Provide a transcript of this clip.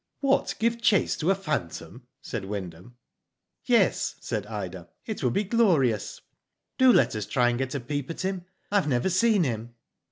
" What, give chase to a phantom ?*' said Wynd ham. '*Yes,'' said Ida. ''It would be glorious. Do let us try and get a peep at him. I have never seen him."